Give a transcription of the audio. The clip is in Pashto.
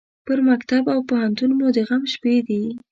پر مکتب او پوهنتون مو د غم شپې دي